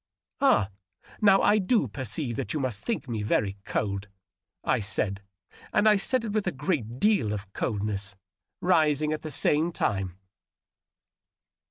" Ah, now I do perceive that you must think me very cold," I said, and I said it with a great deal of coldness, rising at the same time.